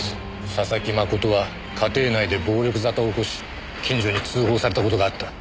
佐々木真人は家庭内で暴力沙汰を起こし近所に通報された事があった。